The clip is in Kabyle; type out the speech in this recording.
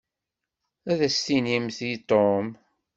Ad as-tinimt i Tom?